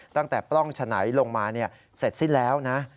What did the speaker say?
ปล้องฉะไหนลงมาเสร็จสิ้นแล้วนะ